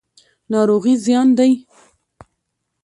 ناروغي زیان دی.